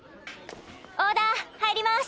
オーダー入ります。